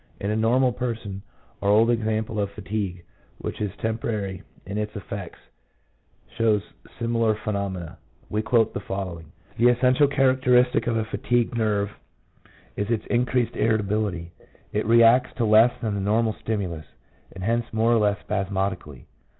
In a normal person our old example of fatigue, which is temporary in its effects, shows similar phenomena. We quote the following: — "The essential characteristic of a fatigued nerve is its increased irritability; it reacts to less than the normal stimulus: and hence more or less spasmodically.